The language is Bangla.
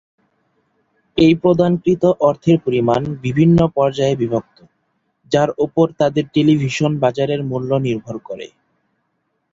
এই প্রদানকৃত অর্থের পরিমাণ বিভিন্ন পর্যায়ের বিভক্ত, যার ওপর তাদের টেলিভিশন বাজারের মূল্য নির্ভর করে।